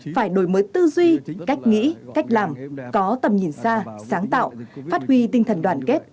phải đổi mới tư duy cách nghĩ cách làm có tầm nhìn xa sáng tạo phát huy tinh thần đoàn kết